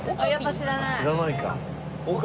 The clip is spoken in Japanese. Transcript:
知らないか。